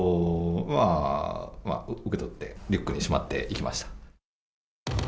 まあ、受け取って、リックにしまっていきました。